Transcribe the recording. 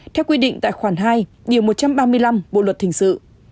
theo quy định tại khoản hai điều một trăm ba mươi năm bộ luật hình sự